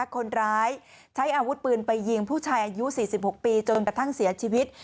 คนร้ายใช้อาวุธปืนไปยิงผู้ชายอายุ๔๖ปีจนกระทั่งเสียชีวิต